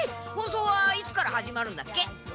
放送はいつから始まるんだっけ？